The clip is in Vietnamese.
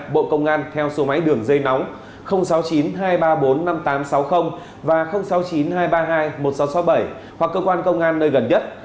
bộ công an theo số máy đường dây nóng sáu mươi chín hai trăm ba mươi bốn năm nghìn tám trăm sáu mươi và sáu mươi chín hai trăm ba mươi hai một nghìn sáu trăm sáu mươi bảy hoặc cơ quan công an nơi gần nhất